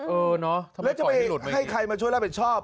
เออเนอะทำไมปล่อยไม่หลุดมานี้แล้วจะไปให้ใครมาช่วยรับผิดชอบ